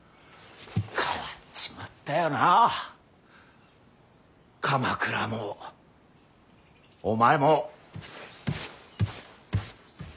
変わっちまったよなあ鎌倉もお前も。